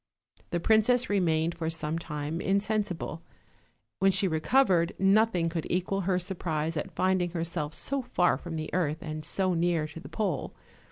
The .princess remained lor some time insensible; whm she ire OLD, OLD FAIRY TALES. covered nothing could equal her surprise at finding her self so far from the earth, and so near to the pole.